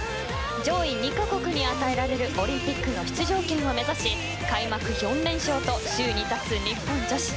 上位２か国に与えられるオリンピックの出場権を目指し開幕４連勝と首位に立つ日本女子。